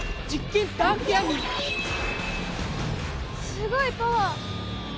すごいパワー！